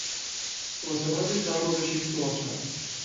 Кога се врати таа го беше испила чајот.